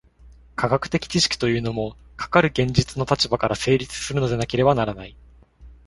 科学的知識というのも、かかる現実の立場から成立するのでなければならない。